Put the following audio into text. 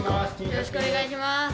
よろしくお願いします！